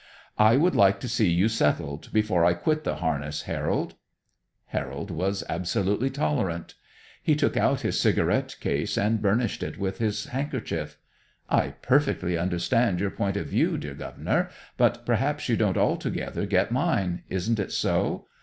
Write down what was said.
"I would like to see you settled before I quit the harness, Harold." Harold was absolutely tolerant. He took out his cigarette case and burnished it with his handkerchief. "I perfectly understand your point of view, dear Governor, but perhaps you don't altogether get mine. Isn't it so?